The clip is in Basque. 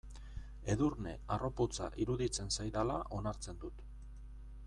Edurne harroputza iruditzen zaidala onartzen dut.